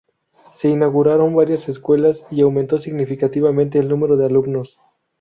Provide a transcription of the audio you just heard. Se inauguraron varias escuelas y aumentó significativamente el número de alumnos.